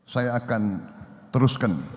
saya akan teruskan